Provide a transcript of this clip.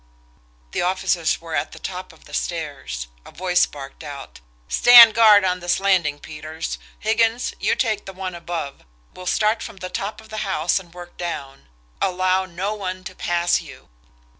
The officers were at the top of the stairs. A voice barked out: "Stand guard on this landing, Peters. Higgins, you take the one above. We'll start from the top of the house and work down. Allow no one to pass you."